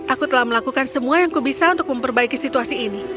aku telah melakukan semua yang kubisa untuk memperbaiki situasi ini